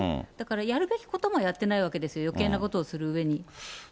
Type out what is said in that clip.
だからやるべきこともやってないわけですよ、よけいなことをする上に。